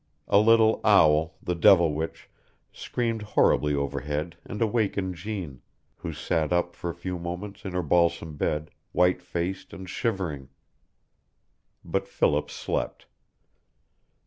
A little owl, the devil witch, screamed horribly overhead and awakened Jeanne, who sat up for a few moments in her balsam bed, white faced and shivering. But Philip slept.